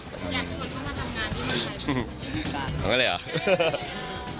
อยากชวนเขามาทำงานด้วย